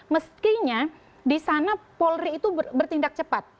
mestinya di sana polri itu bertindak cepat